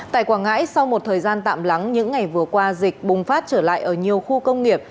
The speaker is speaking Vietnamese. tại quảng ngãi sau một thời gian tạm lắng những ngày vừa qua dịch bùng phát trở lại ở nhiều khu công nghiệp